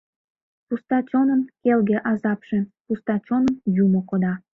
Пуста чонын — келге азапше, Пуста чоным юмо кода.